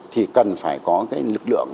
thì cần phải có cái lực lượng